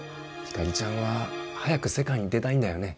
ひかりちゃんは早く世界に出たいんだよね？